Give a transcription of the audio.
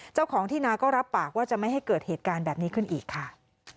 เจ้าของที่นาก็รับปากว่าจะไม่ให้เกิดเหตุการณ์แบบนี้ขึ้นอีกค่ะ